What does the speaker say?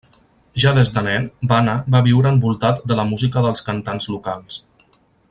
Ja des de nen, Bana va viure envoltat de la música dels cantants locals.